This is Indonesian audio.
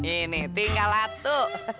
ini tinggal satu